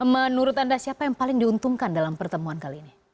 menurut anda siapa yang paling diuntungkan dalam pertemuan kali ini